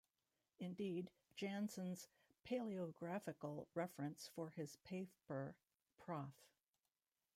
Indeed, Janssen's palaeographical reference for his paper-Prof.